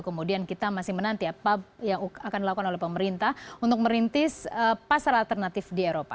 kemudian kita masih menanti apa yang akan dilakukan oleh pemerintah untuk merintis pasar alternatif di eropa